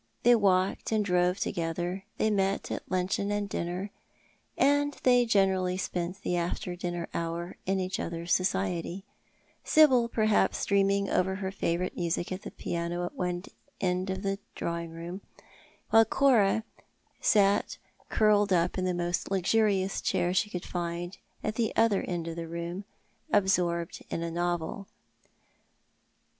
They walked and drove together; they met at luncheon and dinner; they generally spent the after dinner hour in each other's society; Sibyl perhaps dreaming "A Passionless Peace ^ 325 over her favourite music at the 2:>iano at one end of the cliawing room, while Cora sat curled up in tlie most luxurious chair she could find at the other end of the room, absorbed in a novel.